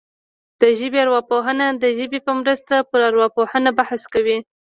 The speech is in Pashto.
د ژبې ارواپوهنه د ژبې په مرسته پر ارواپوهنه بحث کوي